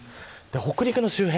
北陸の周辺